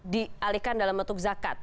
dialihkan dalam bentuk zakat